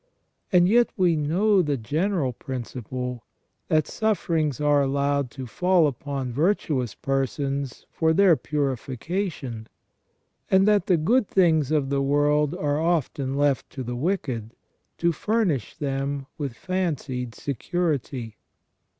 And yet we know the general principle, that sufferings are allowed to fall upon virtuous persons for their purification, and that the good things of the world are often left to the wicked to furnish them with fancied security.